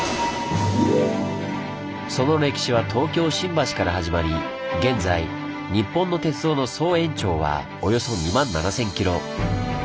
その歴史は東京・新橋から始まり現在日本の鉄道の総延長はおよそ２７，０００ｋｍ。